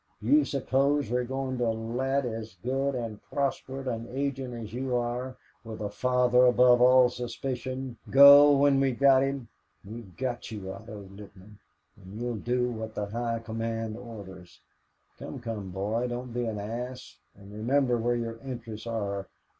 Do you suppose we are going to let as good and prosperous an agent as you are, with a father above all suspicion, go when we've got him? We've got you, Otto Littman, and you'll do what the High Command orders. Come, come, boy, don't be an ass. And remember where your interests are.